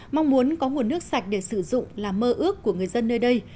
mong muốn có nguồn nước sạch để sử dụng là mơ ước của người dân nơi đây